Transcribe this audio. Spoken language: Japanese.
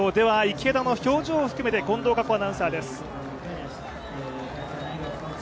池田の表情含めて近藤夏子アナウンサーです。